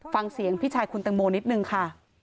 ฟังเสียงพี่ชายคุณตังโมนิดนึงค่ะ